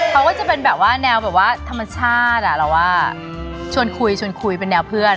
เขาก็จะเป็นแบบว่าแนวทำชาติชวนคุยเป็นแนวเพื่อน